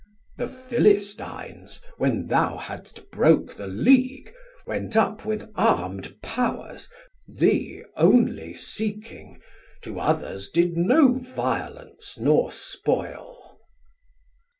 The Philistines, when thou hadst broke the league, Went up with armed powers thee only seeking, 1190 To others did no violence nor spoil.